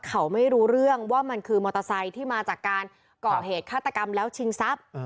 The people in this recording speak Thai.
เขาไม่รู้เรื่องว่ามันคือมอเตอร์ไซค์ที่มาจากการก่อเหตุฆาตกรรมแล้วชิงทรัพย์